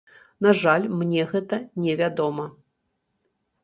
На жаль, мне гэта не вядома.